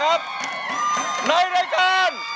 ร้องได้ให้ร้อง